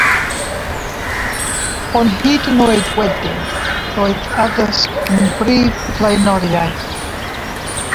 Ond hyd yn oed wedyn, roedd addysg yn brif flaenoriaeth.